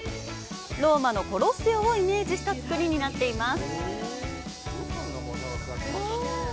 ローマのコロッセオをイメージした造りになっています。